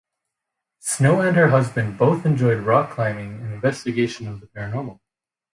Snow and her husband both enjoyed rock climbing and investigation of the paranormal.